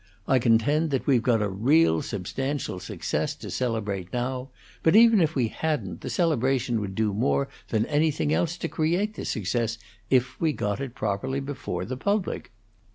I contend that we've got a real substantial success to celebrate now; but even if we hadn't, the celebration would do more than anything else to create the success, if we got it properly before the public.